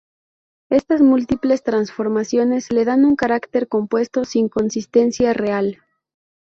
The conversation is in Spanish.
Estas múltiples transformaciones le dan un carácter compuesto, sin consistencia real.